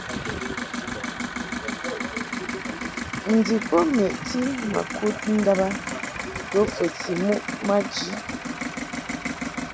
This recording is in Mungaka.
Ndib bo meʼti ma kud ndàb a bo fəti muʼ maji.